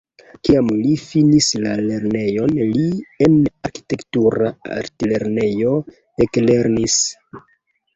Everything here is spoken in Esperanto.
Kiam li finis la lernejon li en arkitektura altlernejo eklernis.